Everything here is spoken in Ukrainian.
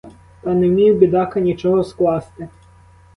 Та не вмів, бідака, нічого скласти.